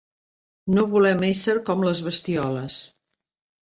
No volem ésser com les bestioles